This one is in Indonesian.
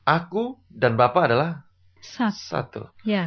aku dan bapak adalah satu